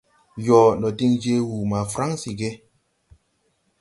Yoo, ndo diŋ je wuu ma Fransi ge !